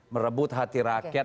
merebut hati rakyat